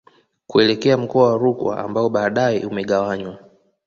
Kuelekea mkoa wa Rukwa ambao baadae umegawanywa